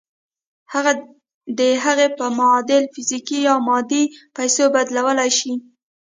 هغه د هغې په معادل فزيکي يا مادي پيسو بدلولای شئ.